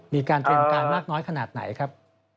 มีการเตรียมการมากน้อยขนาดไหนครับ